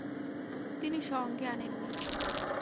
তিনি সঙ্গে আনেন নি।